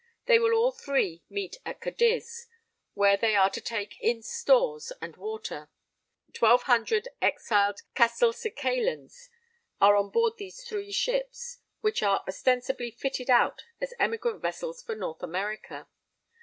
They will all three meet at Cadiz, where they are to take in stores and water. Twelve hundred exiled Castelcicalans are on board these three ships, which are ostensibly fitted out as emigrant vessels for North America.